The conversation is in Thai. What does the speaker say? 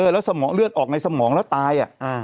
แล้วสมองเลือดออกในสมองแล้วตาย